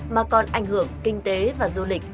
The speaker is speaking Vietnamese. mà còn ảnh hưởng kinh tế và du lịch